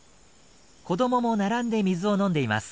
子どもも並んで水を飲んでいます。